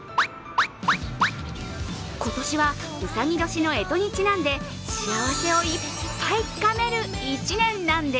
今年は、うさぎ年の干支にちなんで幸せをいっぱいつかめる１年なんです。